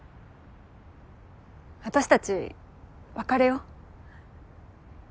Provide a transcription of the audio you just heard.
私たち別れよう。